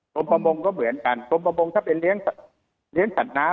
ประมงก็เหมือนกันกรมประมงถ้าเป็นเลี้ยงสัตว์น้ำ